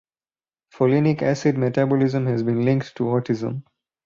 Folinic acid metabolism has been linked to autism.